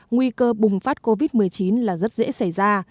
nguy cơ bùng phát covid một mươi chín là rất dễ xảy ra